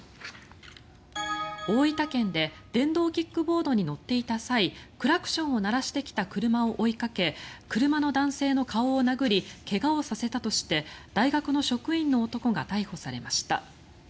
大分県で電動キックボードに乗っていた際クラクションを鳴らしてきた車を追いかけ車の男性の顔を殴り怪我をさせたとして大学の職員の男が逮捕されました。